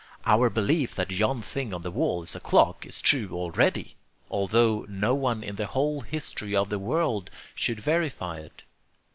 Our belief that yon thing on the wall is a clock is true already, altho no one in the whole history of the world should verify it.